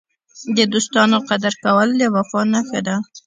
د دوستانو قدر کول د وفا نښه ده.